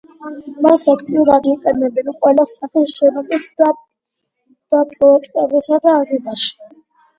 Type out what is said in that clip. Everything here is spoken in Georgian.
მას აქტიურად იყენებენ ყველა სახის შენობების დაპროექტებასა და აგებაში.